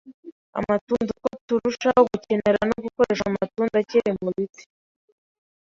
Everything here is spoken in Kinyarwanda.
amatunda. Uko turushaho gukenera no gukoresha amatunda akiri ku biti,